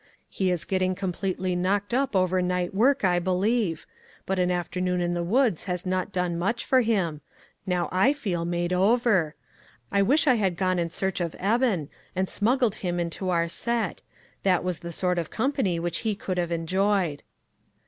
" He is getting completely knocked up over night work, I believe ; but an afternoon in the woods has not clone much for him ; now I feel made over. I wish I had gone in search of Eben, and smuggled him into our set; that was the sort of company which he could have enjoyed."